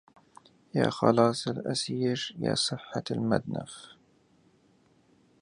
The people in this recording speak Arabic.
يا خلاص الأسير يا صحة المدنف